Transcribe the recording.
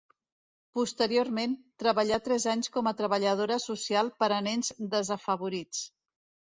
Posteriorment, treballà tres anys com a treballadora social per a nens desafavorits.